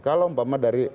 kalau empama dari